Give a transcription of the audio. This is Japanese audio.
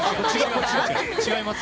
違いますよ。